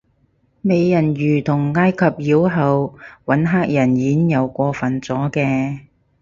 美人魚同埃及妖后搵黑人演又過份咗嘅